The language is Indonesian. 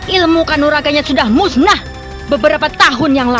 ilmu kanoraganya sudah musnah beberapa tahun yang lalu